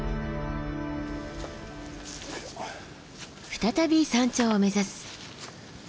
再び山頂を目指す。